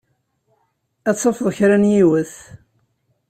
Ad tafeḍ kra n yiwet.